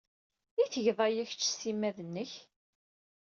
I tgeḍ aya kecc s timmad-nnek?